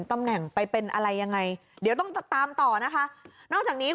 ตำแหน่งไปเป็นอะไรยังไงเดี๋ยวต้องตามต่อนะคะนอกจากนี้